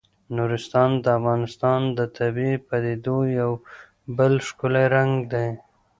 نورستان د افغانستان د طبیعي پدیدو یو بل ښکلی رنګ دی.